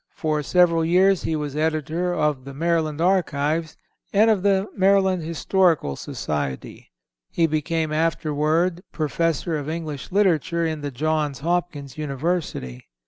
For several years he was editor of the Maryland Archives, and of the Maryland Historical Society. He became afterward Professor of English Literature in the Johns Hopkins University.